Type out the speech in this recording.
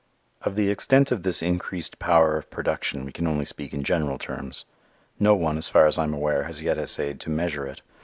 Of the extent of this increased power of production we can only speak in general terms. No one, as far as I am aware, has yet essayed to measure it.